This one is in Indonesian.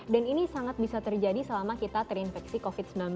dan ini sangat bisa terjadi selama kita terinfeksi covid sembilan belas